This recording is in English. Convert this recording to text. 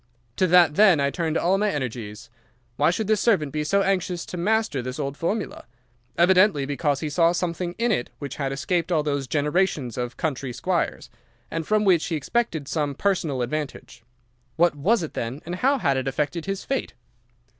To that then I turned all my energies. Why should this servant be so anxious to master this old formula? Evidently because he saw something in it which had escaped all those generations of country squires, and from which he expected some personal advantage. What was it then, and how had it affected his fate?